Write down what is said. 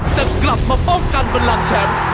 จะกลับมาป้องกันบันลังแชมป์